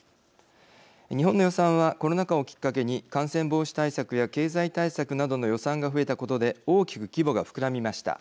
日本の予算はコロナ禍をきっかけに感染防止対策や経済対策などの予算が増えたことで大きく規模が膨らみました。